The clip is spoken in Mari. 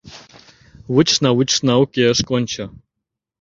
Вучышна, вучышна — уке, ыш кончо.